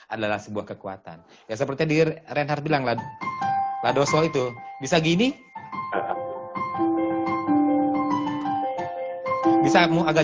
adalah sebuah kekuatan ya seperti diri renhar bilanglah ladoso itu bisa gini bisa mu agak